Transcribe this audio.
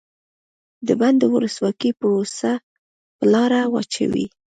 د بن د ولسواکۍ پروسه په لاره واچوي.